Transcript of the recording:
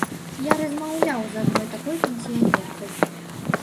Я размаўляў з адной такой пенсіянеркай.